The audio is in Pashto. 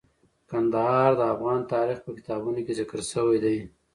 کندهار د افغان تاریخ په کتابونو کې ذکر شوی دي.